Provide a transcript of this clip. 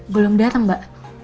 belum dateng mbak